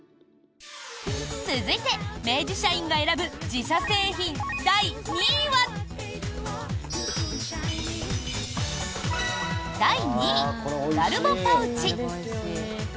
続いて、明治社員が選ぶ自社製品第２位は。第２位、ガルボパウチ。